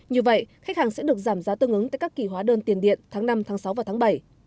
như vậy khách hàng sẽ được giảm giá tương ứng tại các kỳ hóa đơn tiền điện tháng năm tháng sáu và tháng bảy